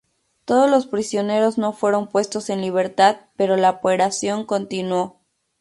Todos los prisioneros no fueron puestos en libertad, pero la operación continuó.